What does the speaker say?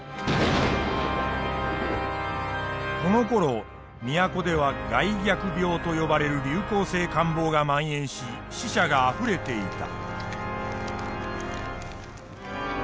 このころ都では咳逆病と呼ばれる流行性感冒が蔓延し死者があふれていた。